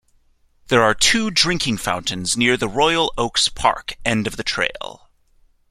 There are two drinking fountains near the Royal Oaks Park end of the trail.